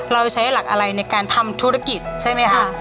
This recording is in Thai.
เราใช้หลักอะไรในการทำธุรกิจใช่ไหมคะ